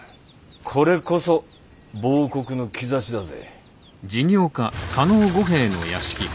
これこそ亡国の兆しだぜ。